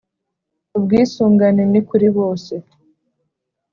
ubwisungane ni kuri bose,